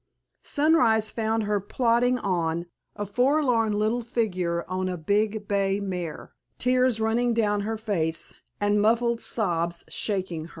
Sunrise found her plodding on, a forlorn little figure on a big bay mare, tears running down her face, and muffled sobs shaking her.